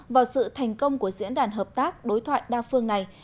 vào sự thành công của diễn đàn hợp tác đối thoại đa phương này